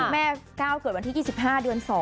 แม่ก้าวเกิดวันที่๒๕เดือน๒